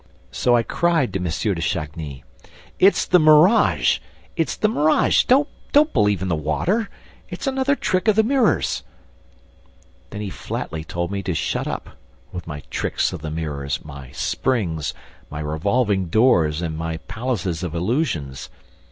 So I cried to M. de Chagny: "It's the mirage! ... It's the mirage! ... Don't believe in the water! ... It's another trick of the mirrors! ..." Then he flatly told me to shut up, with my tricks of the mirrors, my springs, my revolving doors and my palaces of illusions!